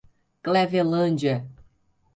Clevelândia